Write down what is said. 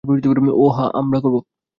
ওহ, হ্যাঁ, আমরা করব।